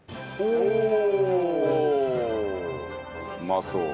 うまそう。